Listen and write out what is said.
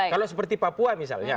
kalau seperti papua misalnya